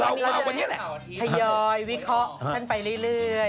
พัยอยวิเคราะห์ขึ้นไปเรื่อย